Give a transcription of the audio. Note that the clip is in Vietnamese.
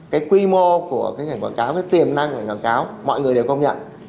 cái quy mô của ngành quảng cáo cái tiềm năng của ngành quảng cáo mọi người đều công nhận